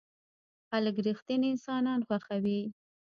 خلک رښتيني انسانان خوښوي.